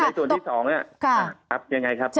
ในส่วนที่สองยังไงครับ